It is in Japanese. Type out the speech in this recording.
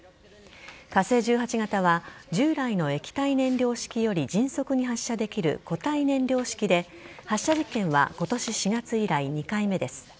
火星１８型は従来の液体燃料式より迅速に発射できる固体燃料式で発射実験は今年４月以来２回目です。